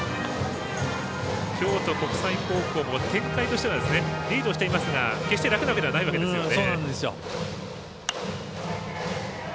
京都国際高校も展開としてはリードしていますが決して楽なわけではないわけですよね。